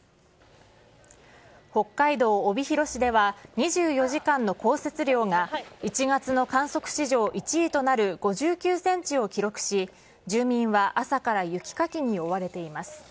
北海道帯広市では、２４時間の降雪量が１月の観測史上１位となる５９センチを記録し、住民は朝から雪かきに追われています。